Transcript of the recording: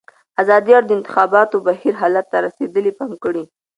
ازادي راډیو د د انتخاباتو بهیر حالت ته رسېدلي پام کړی.